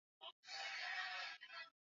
Anamiliki mashamba mengi